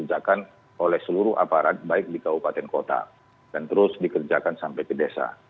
dikerjakan oleh seluruh aparat baik di kabupaten kota dan terus dikerjakan sampai ke desa